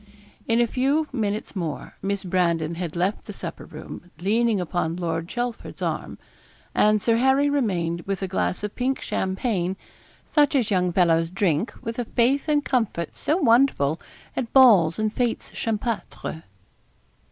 In a few minutes more Miss Brandon had left the supper room leaning upon Lord Chelford's arm; and Sir Harry remained, with a glass of pink champagne, such as young fellows drink with a faith and comfort so wonderful, at balls and fêtes champêtres.